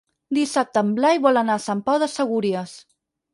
Dissabte en Blai vol anar a Sant Pau de Segúries.